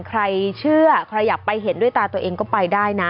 ใครเชื่อใครอยากไปเห็นด้วยตาตัวเองก็ไปได้นะ